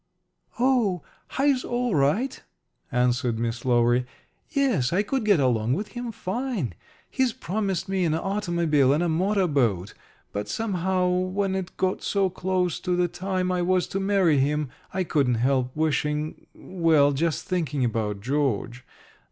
"Oh, Hi's all right," answered Miss Lowery. "Yes, I could get along with him fine. He's promised me an automobile and a motor boat. But somehow, when it got so close to the time I was to marry him, I couldn't help wishing well, just thinking about George.